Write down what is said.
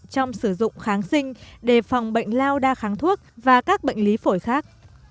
trong sử dụng kháng sinh đề phòng bệnh lao đa kháng thuốc và các bệnh lý phổi khác